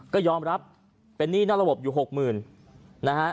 ก็ยอมรับเป็นหนี้นอกระบบอยู่หกหมื่นนะฮะ